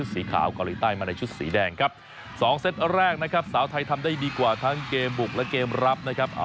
สวัสดีครับสวัสดีครับ